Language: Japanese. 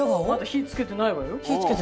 火つけてないわよ。